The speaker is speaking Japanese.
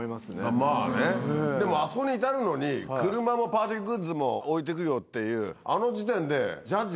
まぁねでもあそこに至るのに車もパーティーグッズも置いてくよっていうあの時点で。